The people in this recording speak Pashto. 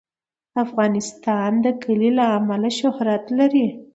افغانستان د کلي له امله شهرت لري.